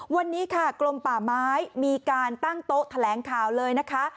วันนี้ค่ะกลมป่าไม้มีการตั้งโต๊ะแถลงข่าวเลยนะคะ